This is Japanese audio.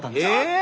え？